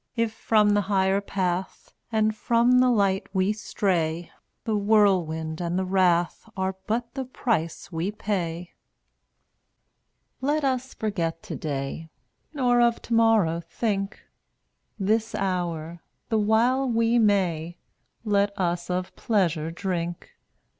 If from the higher path And from the Light we stray, The Whirlwind and the Wrath Are but the price we pay. 194 Let us forget today, Nor of tomorrow think; This hour — the while we may — Let us of pleasure drink.